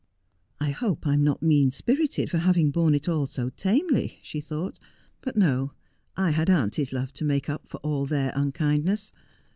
' I hope I am not mean spirited for having borne it all so tamely,' she thought. ' But no, I had auntie's love to make up for all their unkindness.